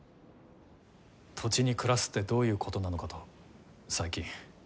土地に暮らすってどういうことなのかと最近。